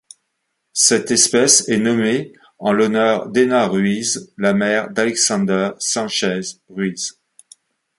Cette espèce est nommée en l'honneur d'Ena Ruiz, la mère d'Alexander Sánchez-Ruiz.